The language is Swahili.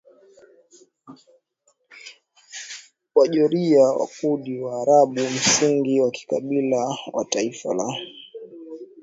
Wajiorgia Wakurdi Waarabu msingi wa kikabila wa taifa la